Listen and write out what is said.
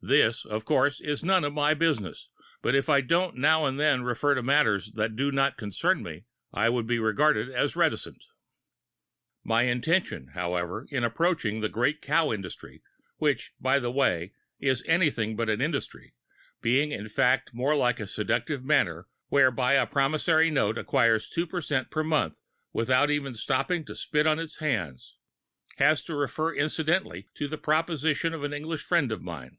This, of course, is really none of my business, but if I didn't now and then refer to matters that do not concern me I would be regarded as reticent. My intention, however, in approaching the great cow industry, which, by the way, is anything but an industry, being in fact more like the seductive manner whereby a promissory note acquires 2 per cent. per month without even stopping to spit on its hands, was to refer incidentally to the proposition of an English friend of mine.